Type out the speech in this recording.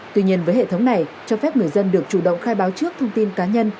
tuy nhiên với hệ thống này cho phép người dân được chủ động khai báo trước thông tin cá nhân